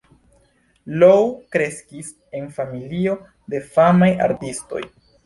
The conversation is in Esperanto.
Lou kreskis en familio de famaj artistoj.